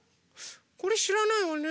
これしらないわね。